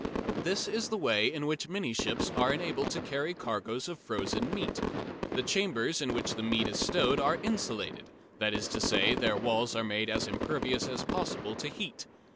This is the way in which many ships are enabled to carry cargoes of frozen meat. The chambers in which the meat is stowed are insulated that is to say, their walls are made as impervious as possible to heat.